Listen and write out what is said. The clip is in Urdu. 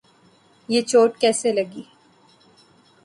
یہ چوٹ کیسے لگی؟